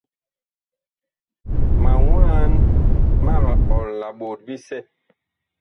Ma mwaan mag ɔl la ɓot bisɛ.